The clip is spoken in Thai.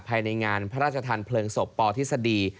ภายในงานพระราชทานเพลิงศพปทฤษฎี